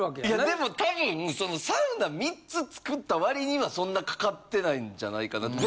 でも多分そのサウナ３つ作った割にはそんなかかってないんじゃないかなって。